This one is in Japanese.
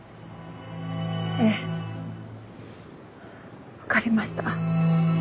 ええわかりました。